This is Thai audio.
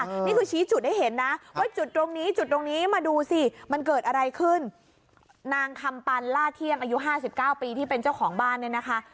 นี่คือชี้จุดให้เห็นนะว่าจุดตรงนี้จุดตรงนี้มาดูสิมันเกิดอะไรขึ้นนางคำปันล่าเที่ยมอายุห้าสิบเก้าปีที่เป็นเจ้าของบ้านเนี่ยนะคะ